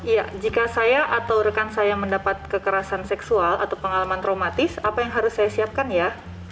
ya jika saya atau rekan saya mendapat kekerasan seksual atau pengalaman traumatis apa yang harus saya siapkan ya